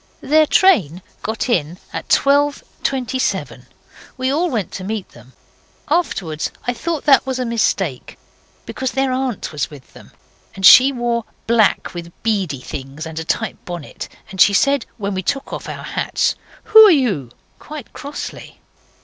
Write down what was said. Their train got in at 12.27. We all went to meet them. Afterwards I thought that was a mistake, because their aunt was with them, and she wore black with beady things and a tight bonnet, and she said, when we took our hats off 'Who are you?' quite crossly.